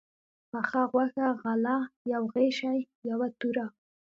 پخه غوښه، غله، يو غشى، يوه توره